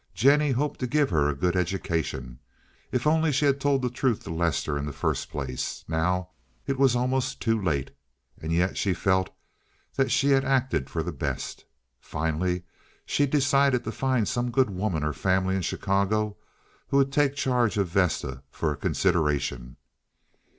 Jennie hoped to give her a good education. If only she had told the truth to Lester in the first place. Now it was almost too late, and yet she felt that she had acted for the best. Finally she decided to find some good woman or family in Chicago who would take charge of Vesta for a consideration.